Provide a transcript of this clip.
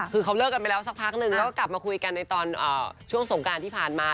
คือเขาเลิกกันไปแล้วสักพักนึงแล้วก็กลับมาคุยกันในตอนช่วงสงการที่ผ่านมา